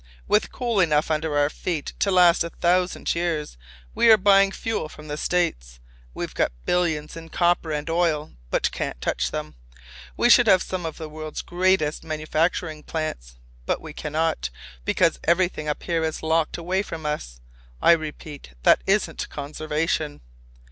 With coal enough under our feet to last a thousand years, we are buying fuel from the States. We've got billions in copper and oil, but can't touch them. We should have some of the world's greatest manufacturing plants, but we can not, because everything up here is locked away from us. I repeat that isn't conservation.